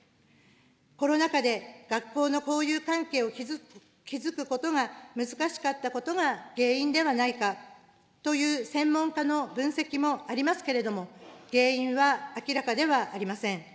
コロナ禍で学校の交友関係を築くことが難しかったことが原因ではないかという専門家の分析もありますけれども、原因は明らかではありません。